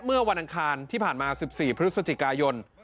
เมื่อวันอังคารที่ผ่านมา๑๔พฤศจิกายน